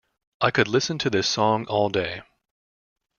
I could listen to this song all day.